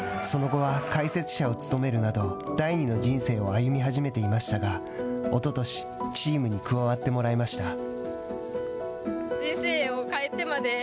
その後は解説者を務めるなど第２の人生を歩み始めていましたがおととし、チームに加わってもらいました。